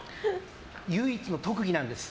唯一の特技なんです。